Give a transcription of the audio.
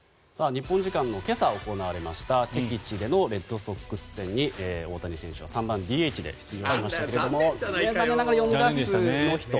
日本時間の今朝行われました敵地でのレッドソックス戦に大谷選手が３番ＤＨで出場しましたが４打数ノーヒット。